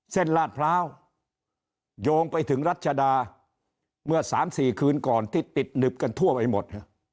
ลาดพร้าวโยงไปถึงรัชดาเมื่อ๓๔คืนก่อนที่ติดหนึบกันทั่วไปหมด